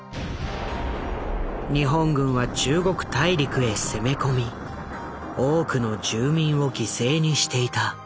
日本軍は中国大陸へ攻め込み多くの住民を犠牲にしていた。